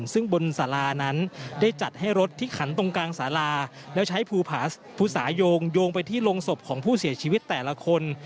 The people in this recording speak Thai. ซึ่งบนสารานั้นได้จัดให้รถที่ขันตรงกลางสาราแล้วใช้ภูสายงโยงไปที่โรงศพของผู้เสียชีวิตแต่ละคน